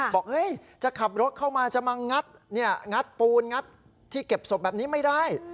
บอกจะขับรถเข้ามาจะมางัดงัดปูนงัดที่เก็บศพแบบนี้ไม่ได้